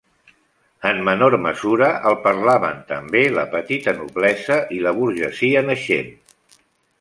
En menor mesura el parlaven també la petita noblesa i la burgesia naixent.